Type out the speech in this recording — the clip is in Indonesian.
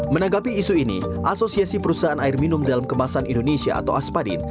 menanggapi isu ini asosiasi perusahaan air minum dalam kemasan indonesia atau aspadin